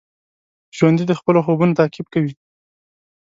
ژوندي د خپلو خوبونو تعقیب کوي